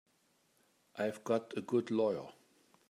I've got a good lawyer.